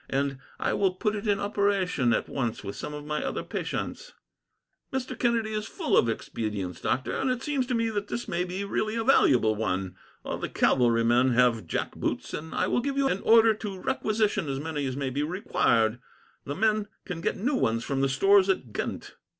And I will put it in operation, at once, with some of my other patients." "Mr. Kennedy is full of expedients, doctor, and it seems to me that this may be really a valuable one. All the cavalry men have jack boots, and I will give you an order to requisition as many as may be required. The men can get new ones from the stores at Ghent."